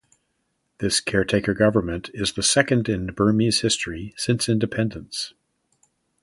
This caretaker government is the second in Burmese history since independence.